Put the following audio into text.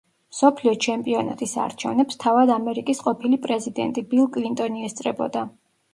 მსოფლიო ჩემპიონატის არჩევნებს თავად ამერიკის ყოფილი პრეზიდენტი ბილ კლინტონი ესწრებოდა.